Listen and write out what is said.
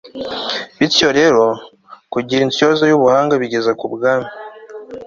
bityo rero, kugira inyota y'ubuhanga bigeza ku bwami